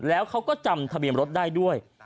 แล้วเขาก็จำทะเบียนรถได้ด้วย